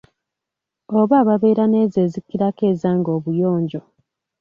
Oba ababeera n'ezo ezikirako ezange obuyonjo.